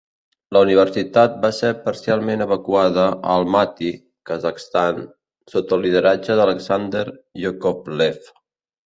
La universitat va ser parcialment evacuada a Almati, Kazakhstan, sota el lideratge d'Alexander Yakovlev.